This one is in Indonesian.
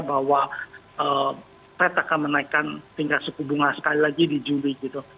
bahwa fed akan menaikkan tingkat suku bunga sekali lagi di juli gitu